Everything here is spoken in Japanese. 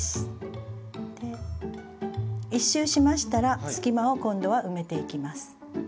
１周しましたら隙間を今度は埋めていきます。